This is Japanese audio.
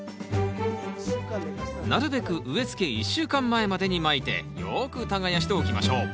なるべく植えつけ１週間前までにまいてよく耕しておきましょう。